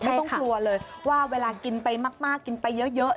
ไม่ต้องกลัวเลยว่าเวลากินไปมากกินไปเยอะ